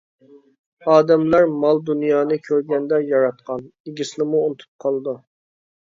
ئادەملەر مال دۇنيانى كۆرگەندە ياراتقان. ئىگىسىنىمۇ ئۇنتۇپ قالىدۇ.